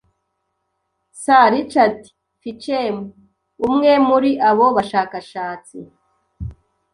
Sir Richard Feachem, umwe muri abo bashakashatsi